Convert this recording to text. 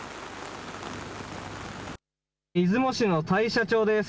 出雲市の大社町です。